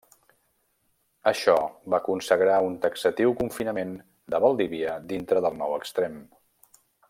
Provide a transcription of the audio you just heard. Això va consagrar un taxatiu confinament de Valdivia dintre del Nou Extrem.